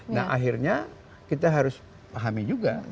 nah akhirnya kita harus pahami juga